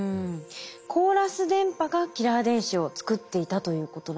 コーラス電波がキラー電子を作っていたということなんですね。